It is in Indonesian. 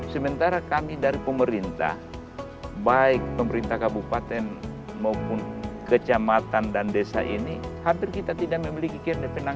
sementara kami dari pemerintah baik pemerintah kabupaten maupun kecamatan dan desa ini hampir kita tidak memiliki kenangan apa apa lagi untuk menjaga ini